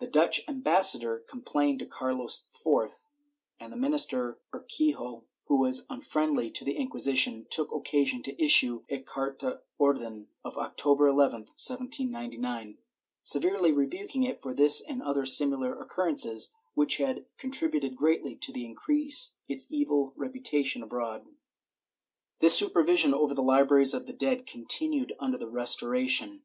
The Dutch ambassador complained to Carlos IV, and the minister Urquijo, who was unfriendly to the Inquisition, took occasion to issue a carta orden of October 11, 1799, severely rebuking it for this and other similar occurrences, which had contributed greatly to increase its evil reputation abroad.^ This supervision over the libraries of the dead continued under the Restoration.